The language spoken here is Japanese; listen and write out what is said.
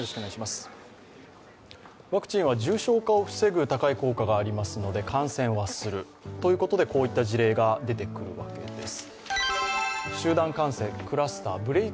ワクチンは重症化を防ぐ高い効果がありますので、感染はするということで、こういった事例が出てくるわけです。